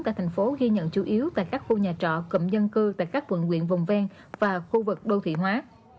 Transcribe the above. tại thành phố ghi nhận chủ yếu tại các khu nhà trọ cụm dân cư tại các quận quyện vùng ven và khu vực đô thị hóa